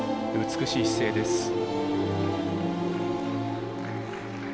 美しい姿勢です。